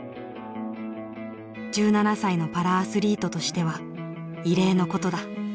１７歳のパラアスリートとしては異例のことだ。